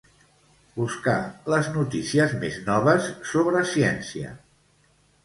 Buscar les notícies més noves sobre ciència.